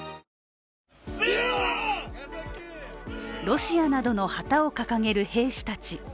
ロシアなどの旗を掲げる兵士たち。